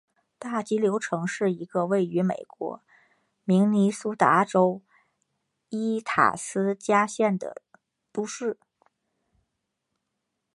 大急流城是一个位于美国明尼苏达州伊塔斯加县的都市。